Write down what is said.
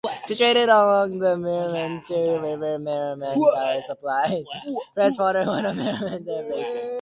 Situated along the Mermentau River, Mermentau supplies freshwater for the Mermentau Basin.